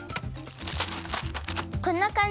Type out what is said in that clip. こんなかんじ？